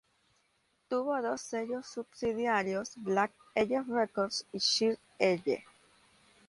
Tuvo dos sellos subsidiarios, Black Eye Records y Third Eye.